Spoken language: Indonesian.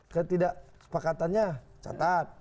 ketidak sepakatannya catat